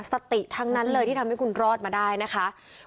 สติทั้งนั้นเลยที่ทำให้คุณรอดมาได้นะคะ